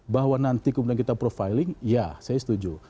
bahwa nanti kemudian kita profiling ya saya setuju